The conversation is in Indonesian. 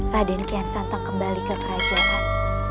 raden kian santa kembali ke kerajaan